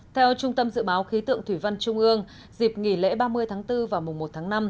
theo trung tâm dự báo khí tượng thủy văn trung ương dịp nghỉ lễ ba mươi tháng bốn và mùa một tháng năm